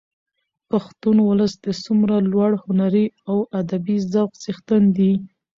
پښتون ولس د څومره لوړ هنري او ادبي ذوق څښتن دي.